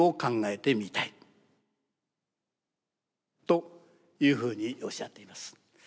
というふうにおっしゃっています。